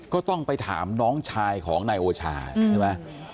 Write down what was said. ก็ต้องไปถามน้องชายของนายโอชาใช่ไหม